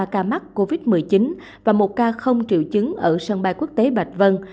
ba ca mắc covid một mươi chín và một ca không triệu chứng ở sân bay quốc tế bạch vân